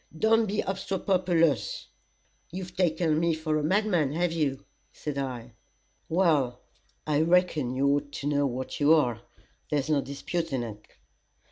Don't be obstropolous." "You've taken me up for a madman, have you?" said I. "Well, I reckon you ought to know what you are. There's no disputing it."